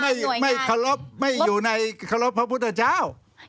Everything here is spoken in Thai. ก็เท่ากับไม่อยู่ในขอบพระพุทธเจ้า